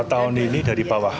mulai dua tahun ini dari bawah